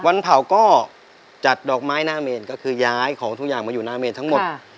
วันเผาก็จัดดอกไม้หน้าเมนก็คือย้ายของทุกอย่างมาอยู่หน้าเมนทั้งหมด